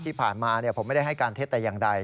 ที่ผ่านมาผมไม่ได้ให้การเท็จแต่อย่างใด